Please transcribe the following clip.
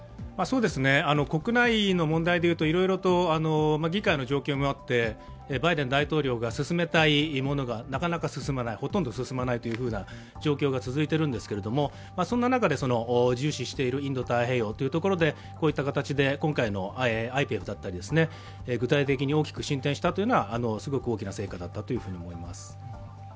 国内の問題でいうと、いろいろと議会の状況もあって、バイデン大統領が進めたいものがなかなか進まないほとんど進まないという状況が続いてるんですけど、そんな中で重視しているインド太平洋というところでこういった形で今回のＩＰＥＦだったり具体的に大きく進展したというのはすごく大きな成果だったと思います。